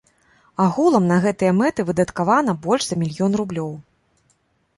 Агулам на гэтыя мэты выдаткавана больш за мільён рублёў.